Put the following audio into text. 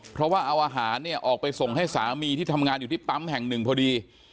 เพราะว่าเอาอาหารเนี่ยออกไปส่งให้สามีที่ทำงานอยู่ที่ปั๊มแห่งหนึ่งพอดี